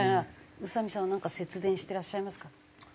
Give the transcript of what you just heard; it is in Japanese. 宇佐美さんはなんか節電してらっしゃいますか？